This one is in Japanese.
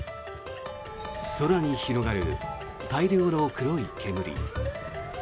空に広がる大量の黒い煙。